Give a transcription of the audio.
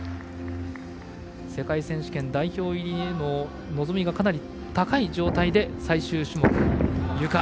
世界選手権代表入りへの望みが、かなり高い状態で最終種目のゆか。